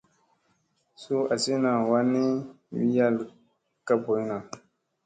Suu asina wan ni wi yal ka ɓoyna.